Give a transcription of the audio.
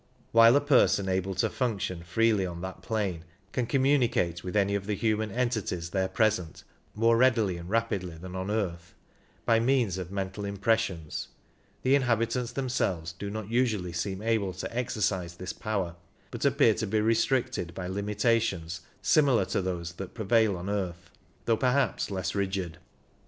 While a person able to function freely on that plane can communicate with any of the human entities there present more readily and rapidly than on earth, by means of mental impressions, the inhabitants themselves do not usually seem able to exercise this power, but appear to be restricted by limitations similar to those that prevail on earth, though perhaps less rigid.